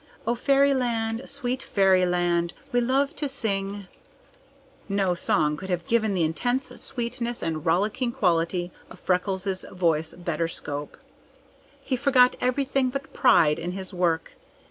O fairyland, sweet fairyland, We love to sing " No song could have given the intense sweetness and rollicking quality of Freckles' voice better scope. He forgot everything but pride in his work.